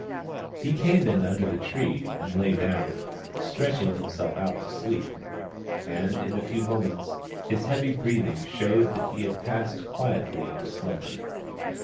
He came in under the tree and lay down, stretch ing himself out to sleep ; and in a few moments his heavy breathing showed that he had passed quietly into slumber.